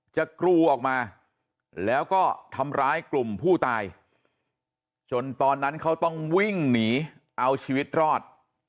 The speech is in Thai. กรูออกมาแล้วก็ทำร้ายกลุ่มผู้ตายจนตอนนั้นเขาต้องวิ่งหนีเอาชีวิตรอด